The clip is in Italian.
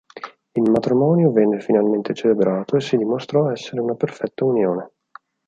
Il matrimonio venne finalmente celebrato e si dimostrò essere una perfetta unione.